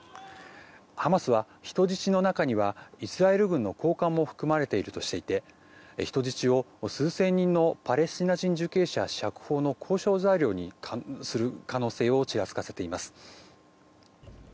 ハマスは、人質の中にはイスラエル軍の高官も含まれるとしていて人質を数千人パレスチナ人受刑者解放の交渉材料にする可能性をちらつかせています。